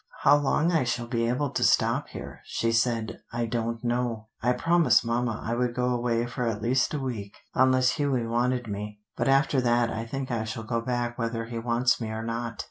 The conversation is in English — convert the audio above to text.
"How long I shall be able to stop here," she said, "I don't know. I promised Mama I would go away for at least a week, unless Hughie wanted me, but after that I think I shall go back whether he wants me or not.